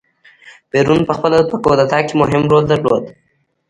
پېرون په خپله په کودتا کې مهم رول درلود.